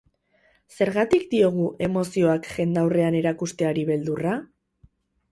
Zergatik diogu emozioak jendaurrean erakusteari beldurra?